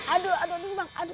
aduh aduh aduh bang